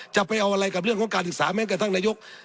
จะเอาอะไรกับเรื่องของการศึกษาแม้กระทั่งนายก